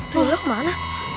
tuh ilang kemana